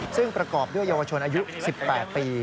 ซึ่งประกอบด้วยเยาวชนอายุ๑๘ปี